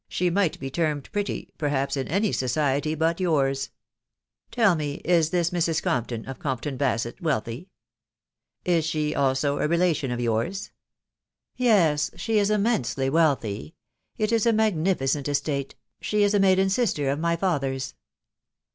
she might be termed pretty, perhaps, in any sodet^ Wt ^wk*« . THE WIDOW BARNABY. 197 Tell me, is this Mrs. Compton, of Compton Basett, wealthy? .... Is she also a relation of yours ?"" Yes, she is immensely wealthy It is a magnificent estate. She is a maiden sister of my father's."